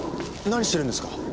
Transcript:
何してるんですか？